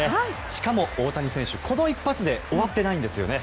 しかも大谷選手、この一発で終わってないんですよね。